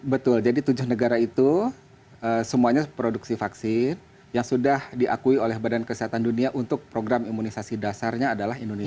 betul jadi tujuh negara itu semuanya produksi vaksin yang sudah diakui oleh badan kesehatan dunia untuk program imunisasi dasarnya adalah indonesia